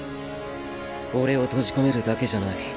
俺を閉じ込めるだけじゃない。